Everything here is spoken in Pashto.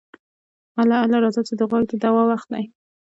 اله اله راځه چې د غوږ د دوا وخت دی.